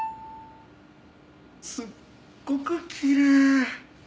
すっごくきれい。